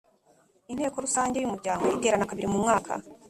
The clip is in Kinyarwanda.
Inteko Rusange y’umuryango iterana kabiri mu mwaka